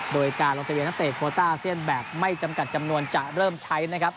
โดยการลงทะเบียนนักเตะโคต้าอาเซียนแบบไม่จำกัดจำนวนจะเริ่มใช้นะครับ